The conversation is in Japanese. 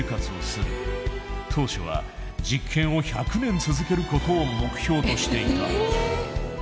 当初は実験を１００年続けることを目標としていた。